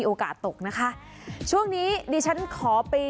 โดยการติดต่อไปก็จะเกิดขึ้นการติดต่อไป